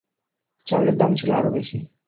চাউলের দাম ছিল আরো বেশি।